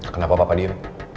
kenapa papa diem